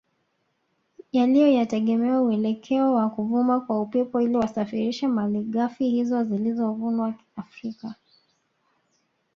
Yaliyotegemea uelekeo wa kuvuma kwa Upepo ili wasafirishe malighafi hizo zilizovunwa Afrika